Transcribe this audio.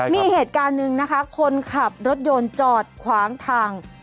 มีเหตุการณ์หนึ่งนะคะคนขับรถยนต์จอดขวางทาง